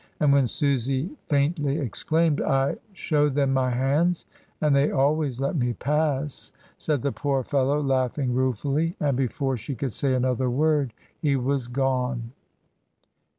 And when Susy faintly exclaimed, "I show them my hands, and they always let me pass," said the poor fellow laughing ruefully, and before she could say another word he was gone.